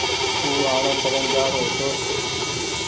او آڻو ڪرين جآرو هيتو